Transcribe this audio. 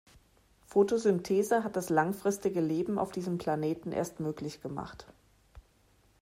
Photosynthese hat das langfristige Leben auf diesem Planeten erst möglich gemacht.